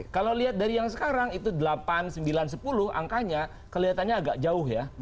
kalau lihat dari yang sekarang itu delapan sembilan sepuluh angkanya kelihatannya agak jauh ya